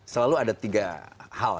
selalu ada tiga hal